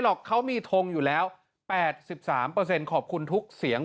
หรอกเขามีทงอยู่แล้วแปดสิบสามเปอร์เซ็นต์ขอบคุณทุกเสียง